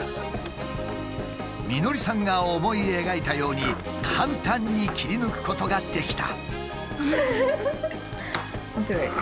美典さんが思い描いたように簡単に切り抜くことができた。